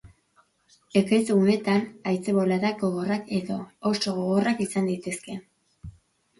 Ekaitz-guneetan, haize-boladak gogorrak edo oso gogorrak izan daitezke.